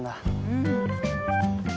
うん。